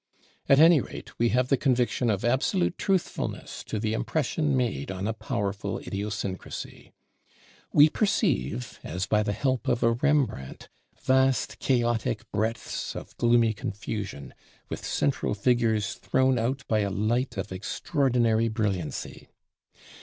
At any rate, we have the conviction of absolute truthfulness to the impression made on a powerful idiosyncrasy. We perceive, as by the help of a Rembrandt, vast chaotic breadths of gloomy confusion, with central figures thrown out by a light of extraordinary brilliancy.